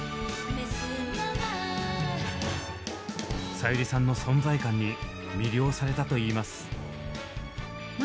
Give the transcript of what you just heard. さゆりさんの存在感に魅了されたと言います。